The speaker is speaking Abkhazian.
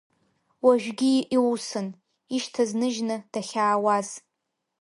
Уажәгьы иусын, ишьҭаз ныжьны, дахьаауаз.